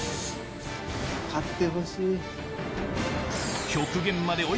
勝ってほしい。